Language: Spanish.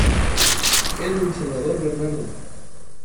¡Eres mi salvador, Bernardo!